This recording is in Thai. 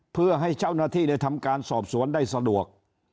เพื่อให้เจ้าหน้าที่ได้ทำการสอบสวนได้สะดวก